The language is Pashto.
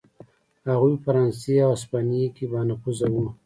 هغوی په فرانسې او هسپانیې کې بانفوذه و.